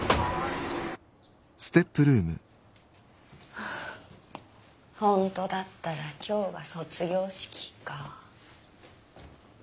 はあ本当だったら今日が卒業式か。